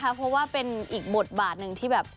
เพราะว่าเป็นอีกบทบาทหนึ่งที่แบบ